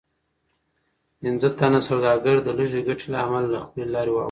پنځه تنه سوداګر د لږې ګټې له امله له خپلې لارې واوښتل.